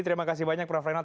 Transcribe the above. terima kasih banyak prof renal